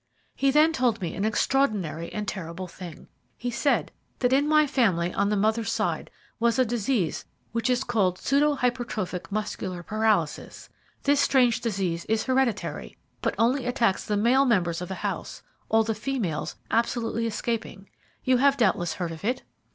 "He then told me an extraordinary and terrible thing. He said that in my family on the mother's side was a disease which is called pseudo hypertrophic muscular paralysis. This strange disease is hereditary, but only attacks the male members of a house, all the females absolutely escaping. You have doubtless heard of it?"